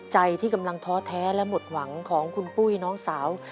ใจที่กำลังท้อแท้และหมดหวังของคุณปุ้ยน้องสาว